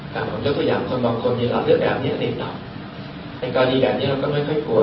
ไม่มีระดับเด็กโดยสำหรับคนบางคนมีระดับเลือดแบบนี้ในการดีแบบนี้เราก็ไม่ค่อยกลัว